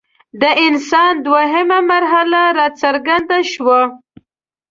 د انسان دویمه مرحله راڅرګنده شوه.